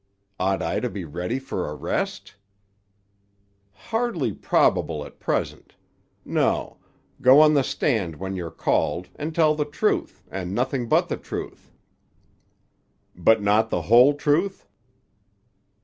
"Ought I to be ready for arrest?" "Hardly probable at present. No; go on the stand when you're called, and tell the truth, and nothing but the truth." "But not the whole truth?"